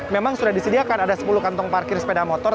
memang sudah disediakan ada sepuluh kantong parkir sepeda motor